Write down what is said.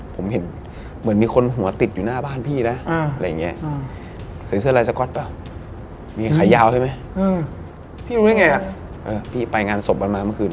ผมเห็นเหมือนมีคนหัวติดอยู่หน้าบ้านพี่นะอะไรอย่างนี้ใส่เสื้อลายสก๊อตเปล่ามีขายาวใช่ไหมพี่รู้ได้ไงพี่ไปงานศพมันมาเมื่อคืน